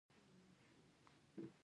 وزې نسبت مېږو ته ډیری شوخی وی.